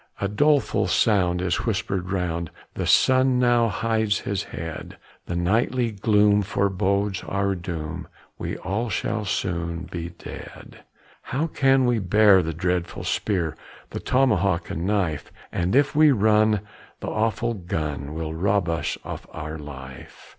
A doleful sound is whispered round, The sun now hides his head; The nightly gloom forebodes our doom, We all shall soon be dead. How can we bear the dreadful spear, The tomahawk and knife? And if we run, the awful gun Will rob us of our life.